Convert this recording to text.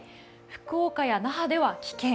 福岡や那覇では危険。